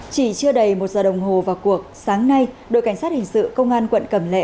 chỉ chưa đầy một giờ đồng hồ vào cuộc sáng nay đội cảnh sát hình sự công an quận cẩm lệ